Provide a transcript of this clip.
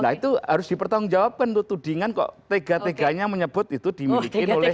nah itu harus dipertanggungjawabkan tuh tudingan kok tega teganya menyebut itu dimiliki oleh